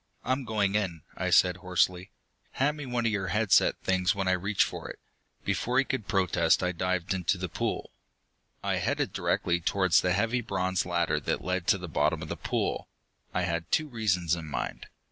"I'm going in," I said hoarsely. "Hand me one of your head set things when I reach for it." Before he could protest, I dived into the pool. I headed directly towards the heavy bronze ladder that led to the bottom of the pool. I had two reasons in mind.